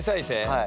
はい。